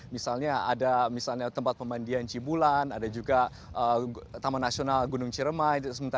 misalnya ada misalnya tempat pemandian cibulan ada juga taman nasional gunung ciremai